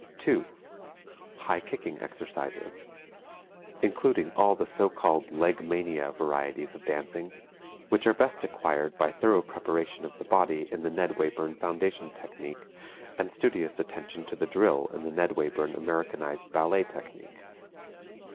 (2) High Kicking exercises; including all the so called "legmania" varieties of dancing, which are best acquired by thorough preparation of the body in the Ned Wayburn foundation technique and studious attention to the drill in the Ned Wayburn Americanized ballet technique.